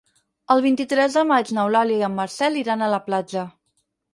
El vint-i-tres de maig n'Eulàlia i en Marcel iran a la platja.